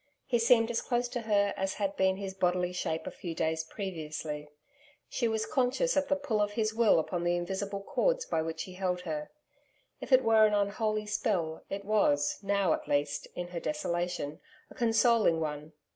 He seemed as close to her as had been his bodily shape a few days previously. She was conscious of the pull of his will upon the invisible cords by which he held her. If it were an unholy spell, it was, now, at least, in her desolation, a consoling one.